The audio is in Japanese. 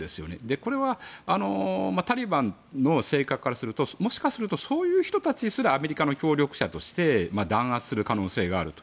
これはタリバンの性格からするともしかするとそういう人たちすらアメリカの協力者として弾圧する可能性がある。